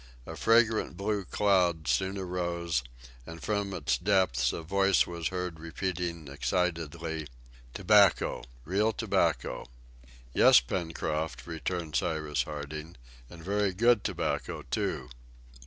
A fragrant blue cloud soon arose, and from its depths a voice was heard repeating excitedly, "Tobacco! real tobacco!" "Yes, Pencroft," returned Cyrus Harding, "and very good tobacco too!"